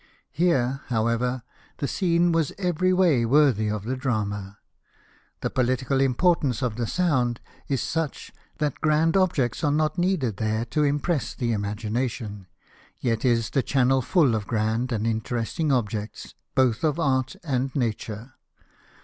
Here, however, the scene was every way 220 LIFE OF NELSON. worthy of the drama. The pohtical importance of the Sound is such that grand objects are not needed there to impress the imagination, yet is the channel full of grand and interesting objects, both of art and Nature.